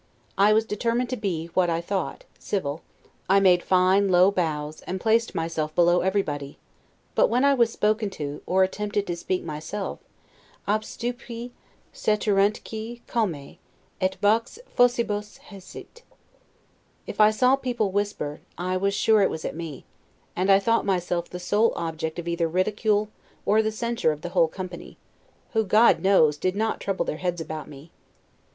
I was determined to be, what I thought, civil; I made fine low bows, and placed myself below everybody; but when I was spoken to, or attempted to speak myself, 'obstupui, steteruntque comae, et vox faucibus haesit'. If I saw people whisper, I was sure it was at me; and I thought myself the sole object of either the ridicule or the censure of the whole company, who, God knows, did not trouble their heads about me.